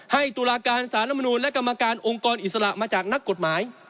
ตุลาการสารมนูลและกรรมการองค์กรอิสระมาจากนักกฎหมาย